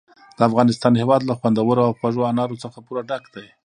د افغانستان هېواد له خوندورو او خوږو انارو څخه پوره ډک دی.